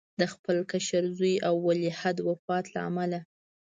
د خپل کشر زوی او ولیعهد وفات له امله.